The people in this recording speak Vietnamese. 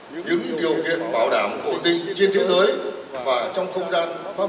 những điều kiện bảo đảm ổn định trên thế giới và trong không gian pháp